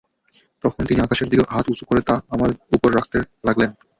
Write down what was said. তখন তিনি আকাশের দিকে হাত উঁচু করে তা আমার উপর রাখতে লাগলেন।